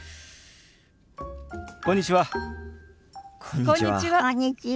こんにちは。